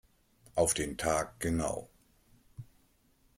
Auf den Tag genau.